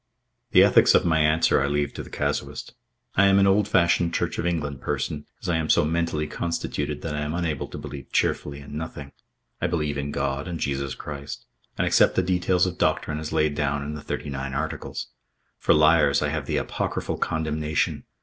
The ethics of my answer I leave to the casuist. I am an old fashioned Church of England person. As I am so mentally constituted that I am unable to believe cheerfully in nothing. I believe in God and Jesus Christ, and accept the details of doctrine as laid down in the Thirty nine Articles. For liars I have the Apocryphal condemnation.